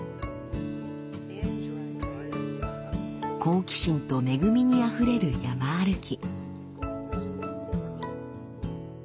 好奇心と恵みにあふれる山歩き。